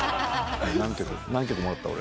何曲もらった？